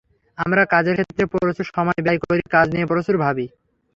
আমরা কাজের ক্ষেত্রে প্রচুর সময় ব্যয় করি, কাজ নিয়ে প্রচুর ভাবি।